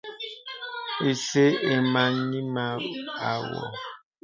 Ìsə̄ ìməŋì mə à mɔ.